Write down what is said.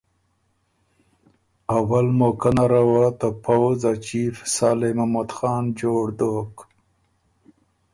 اول موقع نره وه ته پؤځ ا چیف صالح محمد خان جوړ دوک